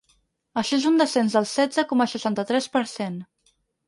Això és un descens del setze coma seixanta-tres per cent.